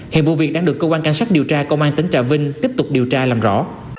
hiện vụ việc đang được cơ quan cảnh sát điều tra công an tỉnh trà vinh tiếp tục điều tra làm rõ